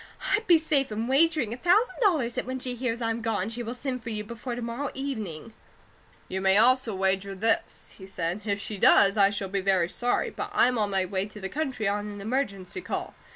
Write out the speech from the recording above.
I'd be safe in wagering a thousand dollars that when she hears I'm gone, she will send for you before to morrow evening." "You may also wager this," he said. "If she does, I shall be very sorry, but I'm on my way to the country on an emergency call.